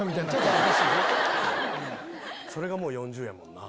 それが４０やもんな。